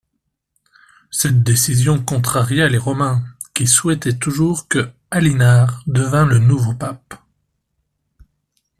Cette décision contraria les Romains, qui souhaitaient toujours que Halinard devînt le nouveau pape.